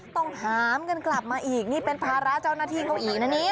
ต้องหามกันกลับมาอีกนี่เป็นภาระเจ้าหน้าที่เขาอีกนะเนี่ย